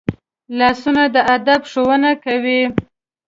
لاسونه د ادب ښوونه کوي